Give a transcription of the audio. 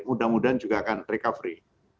mudah mudahan juga akan recovery